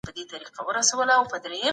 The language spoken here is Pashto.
د پوهي ډيوه په مطالعه روښانه کېږي.